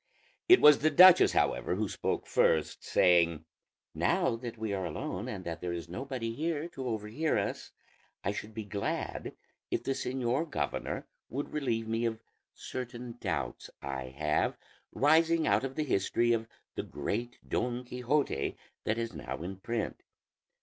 It was the duchess however who spoke first, saying, "Now that we are alone, and that there is nobody here to overhear us, I should be glad if the señor governor would relieve me of certain doubts I have, rising out of the history of the great Don Quixote that is now in print.